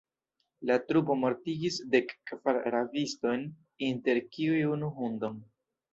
La trupo mortigis dek kvar rabistojn, inter kiuj unu hundon.